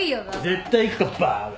絶対行くかバカ。